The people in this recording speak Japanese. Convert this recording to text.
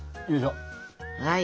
はい。